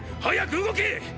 早く動け！